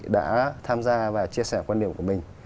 đã tham gia và chia sẻ quan điểm của mình